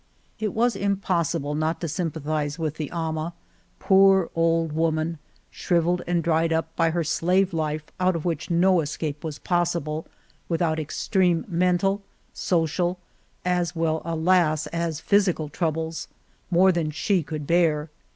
It was impos sible not to sympathize with the ama, poor old woman, shrivelled and dried up by her slave life out of which no escape was possible without extreme mental, social, as well, alas ! as physical troubles, more than she could bear.